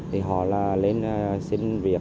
thì họ là lên xin việc